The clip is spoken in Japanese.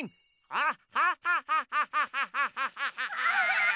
あっ！